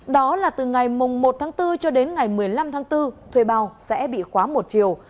đó là từ ngày một tháng bốn cho đến ngày một mươi năm tháng bốn thuê bao sẽ bị khóa một chiều